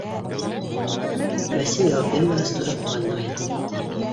Вәсим яуап бирмәгәс, тороп, ваннаға инеп китте